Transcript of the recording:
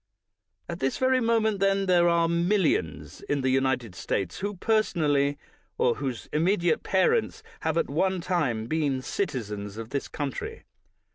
At this very moment, then, there are millions in the United States who personally, or whose immediate parents have at one time been citi zens of this country.